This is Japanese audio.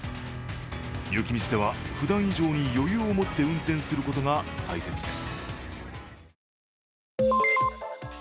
雪道では、ふだん以上に余裕を持って運転することが大切です。